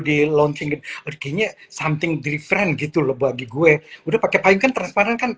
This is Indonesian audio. di launching akhirnya something different gitu loh bagi gue udah pakai payung transparan kan